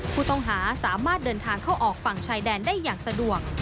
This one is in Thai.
ผู้ต้องหาสามารถเดินทางเข้าออกฝั่งชายแดนได้อย่างสะดวก